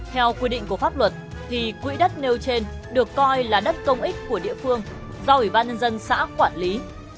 theo quy định của pháp luật thì quỹ đất nêu trên được coi là đất công ích của địa phương do ủy ban nhân dân xã quản lý